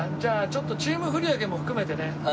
ちょっとチーム振り分けも含めてね